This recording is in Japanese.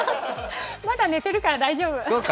まだ寝てるから大丈夫！